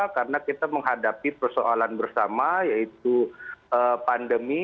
karena kita menghadapi persoalan bersama yaitu pandemi